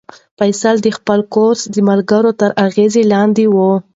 فیصل د خپل کورس د ملګرو تر اغېز لاندې و.